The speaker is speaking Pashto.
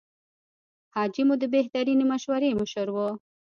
حاجي مو د بهترینې مشورې مشر و.